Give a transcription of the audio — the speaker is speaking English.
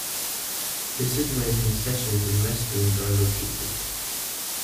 This is where concessions and restrooms are located.